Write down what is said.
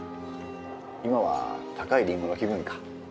今は高いリンゴの気分か。